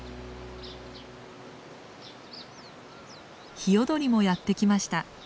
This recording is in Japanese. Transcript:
ヒヨドリもやってきました。